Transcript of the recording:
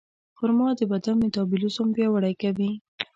خرما د بدن میتابولیزم پیاوړی کوي.